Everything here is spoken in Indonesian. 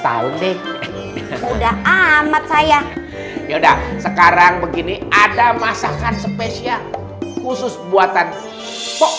delapan belas tahun deh udah amat saya yaudah sekarang begini ada masakan spesial khusus buatan fox